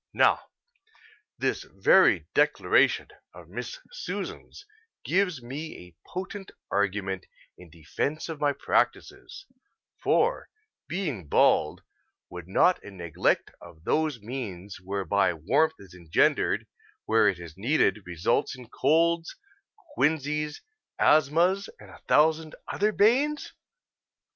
Now, this very declaration of Miss Susan's gives me a potent argument in defence of my practices, for, being bald, would not a neglect of those means whereby warmth is engendered where it is needed result in colds, quinsies, asthmas, and a thousand other banes?